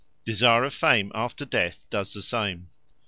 Desire of Fame after death does the same.